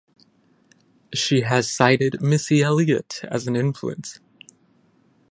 She has cited Missy Elliott as an influence.